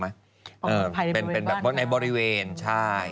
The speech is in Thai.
ภายในบริเวณบ้านค่ะนะครับเป็นในบริเวณใช่